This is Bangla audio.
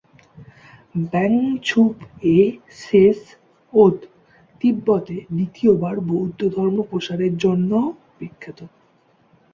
ব্যাং-ছুব-য়ে-শেস'-ওদ তিব্বতে দ্বিতীয়বার বৌদ্ধধর্ম প্রসারের জন্যও বিখ্যাত।